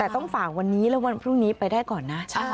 แต่ต้องฝากวันนี้แล้ววันพรุ่งนี้ไปได้ก่อนนะ